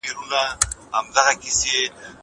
زه اوس درسونه اورم.